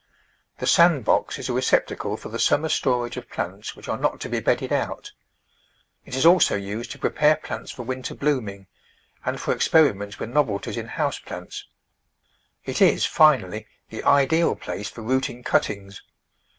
The sand box is a receptacle for the summer stor age of plants which are not to be bedded out. It is also used to prepare plants for winter blooming, and for experiments with novelties in house plants. It is, finally, the ideal place for rooting cuttings.